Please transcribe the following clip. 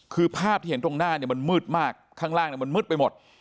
คือภาพที่เห็นตรงหน้าเนี่ยมันมืดมากข้างล่างมันมืดไปหมด